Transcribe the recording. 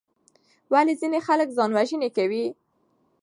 ولې ځینې خلک ځان وژنه کوي؟